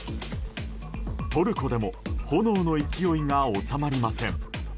トルコでも炎の勢いが収まりません。